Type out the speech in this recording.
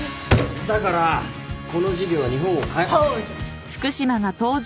だからこの事業は日本を変え東城！